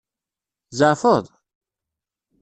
Tzeɛfeḍ?